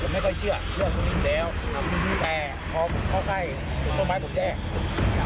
ผมไม่ค่อยเชื่อเรื่องนี้อีกแล้วแต่พอพอใกล้ต้นไม้ผมแยก